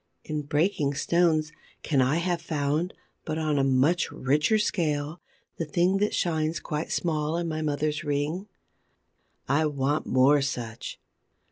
In breaking stones, can I have found, but on a much richer scale, the thing that shines quite small in my mother's ring? I want more such.